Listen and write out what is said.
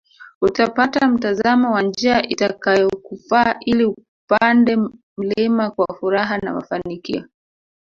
Utapata mtazamo wa njia itakayokufaa ili upande mlima kwa furaha na mafanikio